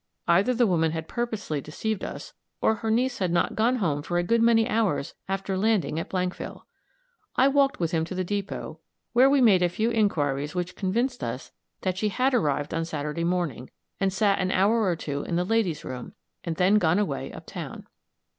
Either the woman had purposely deceived us, or her niece had not gone home for a good many hours after landing at Blankville. I went with him to the depot, where we made a few inquiries which convinced us that she had arrived on Saturday morning, and sat an hour or two in the ladies' room, and then gone away up town.